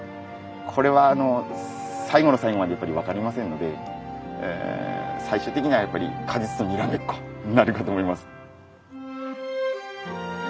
これはあの最後の最後までやっぱり分かりませんので最終的にはやっぱり果実とにらめっこになるかと思います。